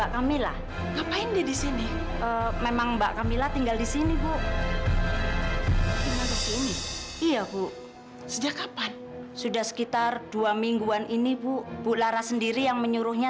sampai jumpa di video selanjutnya